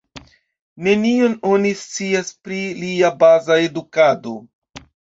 Nenion oni scias pri lia baza edukado.